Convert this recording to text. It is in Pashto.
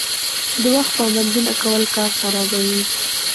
د وخت پابندي نه کول کار خرابوي.